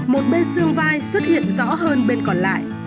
một bên xương vai xuất hiện rõ hơn bên còn lại